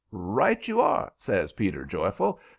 "Right you are!" says Peter, joyful.